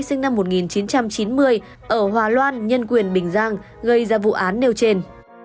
sinh năm một nghìn chín trăm chín mươi ở hòa loan nhân quyền bình giang gây ra vụ án nêu trên